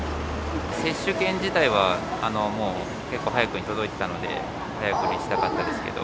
接種券自体は、もう結構早くに届いてたんで、早くに打ちたかったですけど、